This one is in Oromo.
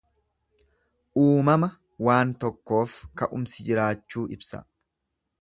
Uumama waan tokkoof ka'umsi jiraachuu ibsa.